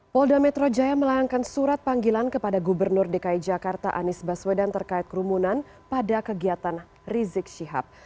polda metro jaya melayangkan surat panggilan kepada gubernur dki jakarta anies baswedan terkait kerumunan pada kegiatan rizik syihab